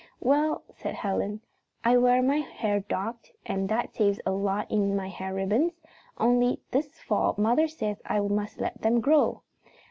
"Well," said Helen, "I wear my hair docked, and that saves a lot in hair ribbons, only this fall mother says I must let it grow.